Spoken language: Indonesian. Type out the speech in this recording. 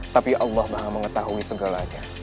tapi allah maha mengetahui segalanya